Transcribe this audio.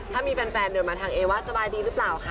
ถ้ามีแฟนเดินมาทางเอว่าสบายดีหรือเปล่าคะ